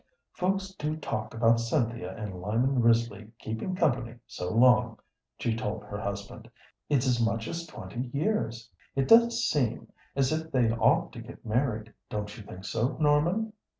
"Folks do talk about Cynthia and Lyman Risley keeping company so long," she told her husband; "it's as much as twenty years. It does seem as if they ought to get married, don't you think so, Norman?